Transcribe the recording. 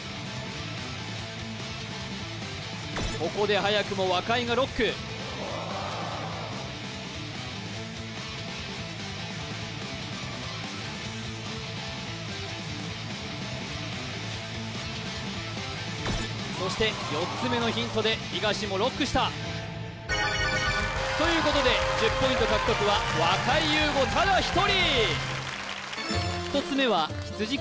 ここではやくも若井がロックそして４つ目のヒントで東もロックしたということで１０ポイント獲得は若井優吾ただ一人！